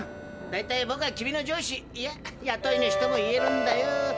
だいたいぼくは君の上司いややとい主とも言えるんだよ。